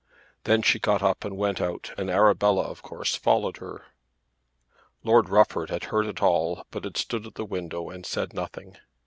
Then she got up and went out and Arabella of course followed her. Lord Rufford had heard it all but had stood at the window and said nothing.